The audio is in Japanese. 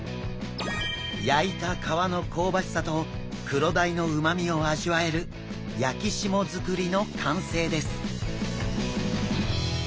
焼いた皮の香ばしさとクロダイのうまみを味わえる焼き霜造りの完成です。